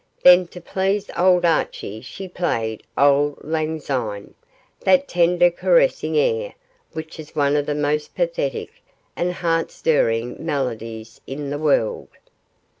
Then to please old Archie she played 'Auld Lang Syne' that tender caressing air which is one of the most pathetic and heart stirring melodies in the world.